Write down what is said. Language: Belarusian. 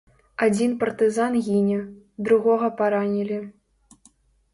Адзін партызан гіне, другога паранілі.